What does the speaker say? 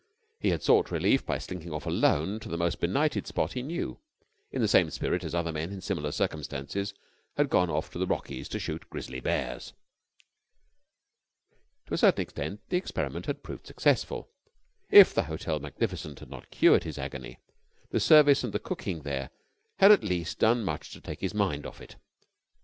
He had sought relief by slinking off alone to the most benighted spot he knew, in the same spirit as other men in similar circumstances had gone off to the Rockies to shoot grizzly bears. To a certain extent the experiment had proved successful. If the Hotel Magnificent had not cured his agony, the service and the cooking there had at least done much to take his mind off it.